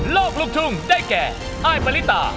โลกลุกทุ่งได้แก่อายมาริตา